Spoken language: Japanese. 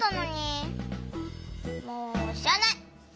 もうしらない！